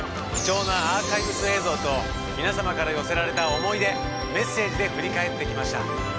貴重なアーカイブス映像と皆様から寄せられた思い出・メッセージで振り返ってきました。